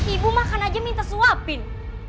ibu makan aja minta suapin